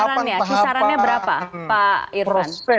kisarannya kisarannya berapa pak irvan